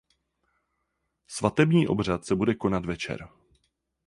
Svatební obřad se bude konat večer.